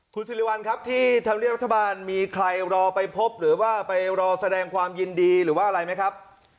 คุณสิริวัลครับที่ธรรมเนียบรัฐบาลมีใครรอไปพบหรือว่าไปรอแสดงความยินดีหรือว่าอะไรไหมครับ